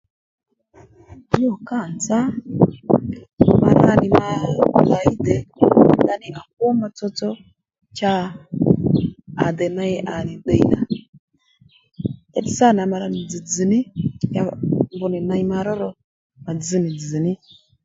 Nyû kâ nzá ma ra nì màlayí dè ndaní à kwo ma tsotso cha à dè ney à nì ddiy nà njàdddí sâ nà ma ra nì dzz̀ dzz̀dhaní ya mbr nì ney ma ró ro ma dzz nì dzz ní